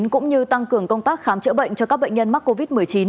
cũng như tăng cường công tác khám chữa bệnh cho các bệnh nhân mắc covid một mươi chín